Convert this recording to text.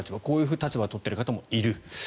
こういう立場を取っている方もいる。